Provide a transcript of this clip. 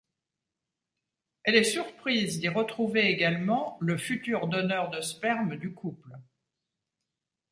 Elle est surprise d'y retrouver également le futur donneur de sperme du couple.